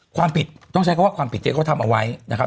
ความผิดต้องใช้คำว่าความผิดที่เขาทำเอาไว้นะครับ